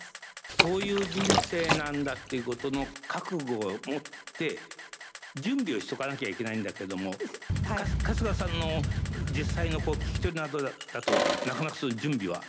そういう人生なんだっていうことの覚悟を持って準備をしとかなきゃいけないんだけども春日さんの実際の聞き取りなどだとなかなか準備はされていないと。